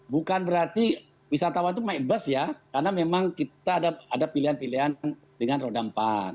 bukan berarti wisatawan itu naik bus ya karena memang kita ada pilihan pilihan dengan roda empat